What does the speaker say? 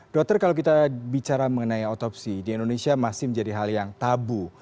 dokter kalau kita bicara mengenai otopsi di indonesia masih menjadi hal yang tabu